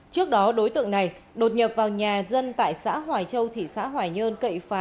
trước đó đối tượng này đột nhập vào nhà dân tại xã hòa châu thị xã hòa nhơn